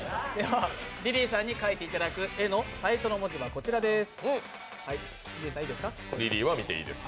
リリーさんに描いていただく絵の最初の文字はこちらです。